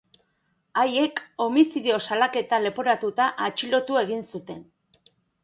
Haiek homizidio saiakera leporatuta atxilotu egin zuten.